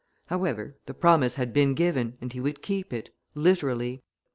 However, the promise had been given, and he would keep it literally.